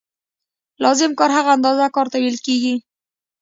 لازم کار هغه اندازه کار ته ویل کېږي